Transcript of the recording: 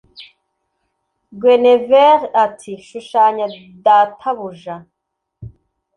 Guenevere ati Shushanya databuja